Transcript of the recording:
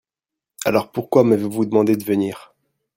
Alors, pourquoi m'avez-vous demandé de venir ?